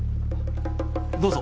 どうぞ。